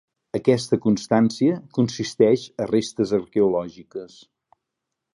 Aquesta constància consisteix a restes arqueològiques.